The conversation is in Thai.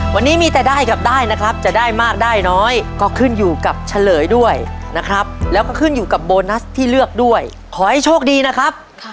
วันนี้มีแต่ได้กับได้นะครับจะได้มากได้น้อยก็ขึ้นอยู่กับเฉลยด้วยนะครับแล้วก็ขึ้นอยู่กับโบนัสที่เลือกด้วยขอให้โชคดีนะครับ